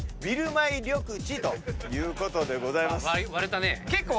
割れたね。